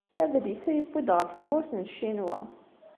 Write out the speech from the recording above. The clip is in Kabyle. Adlis-a yewwi-d ɣef tmurt n Ccinwa.